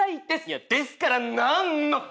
いやですからなんのっ！？